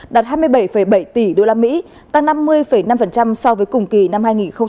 đạt hai mươi bảy bảy tỷ usd tăng năm mươi năm so với cùng kỳ năm hai nghìn một mươi chín